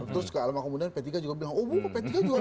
terus kemudian p tiga juga bilang oh bu kok p tiga juga